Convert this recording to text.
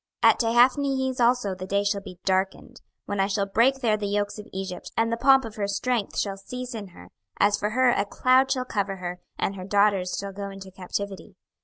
26:030:018 At Tehaphnehes also the day shall be darkened, when I shall break there the yokes of Egypt: and the pomp of her strength shall cease in her: as for her, a cloud shall cover her, and her daughters shall go into captivity.